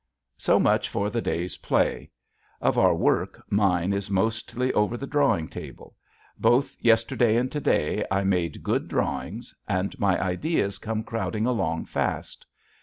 So much for the day's play. Of our work mine is mostly over the drawing table. Both yesterday and to day I made good drawings; and my ideas come crowding along fast.